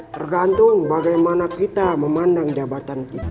tergantung bagaimana kita memandang jabatan kita